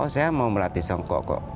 oh saya mau melatih songkok kok